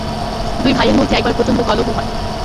দুই ভাইয়ের মধ্যে একবার প্রচণ্ড কলহ হয়।